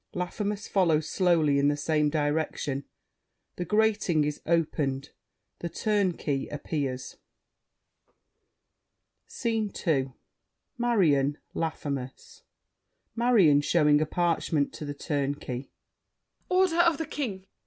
Laffemas follows slowly in the same direction. The grating is opened; The Turnkey appears. SCENE II Marion, Laffemas MARION (showing a parchment to The Turnkey). Order of the King!